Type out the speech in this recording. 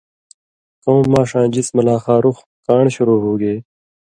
کؤں ماݜاں جِسمہ لا خارُخ/کان٘ڑ شُروع ہُوگے